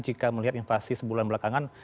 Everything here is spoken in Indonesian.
jika melihat invasi sebulan belakangan